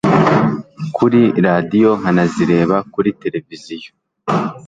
kuri radiyo nkanazireba kuri tereviziyo.